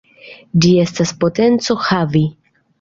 Ĝi estas potenco havi.